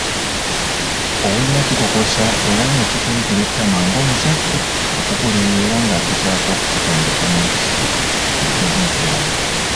Owulira kikukosa era nga kikuyigula ettama ng'omuzadde akubuulirira era ng'agezaako okukutendeka mu mpisa ez'obuntubulamu